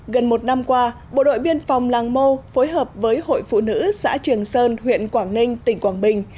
gần một năm qua bộ đội biên phòng làng mô phối hợp với hội phụ nữ xã trường sơn huyện quảng ninh tỉnh quảng bình